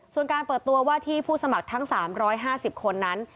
ส่วนการเปิดตัวว่าที่ผู้สมัครทั้ง๓๕๐คนนั้น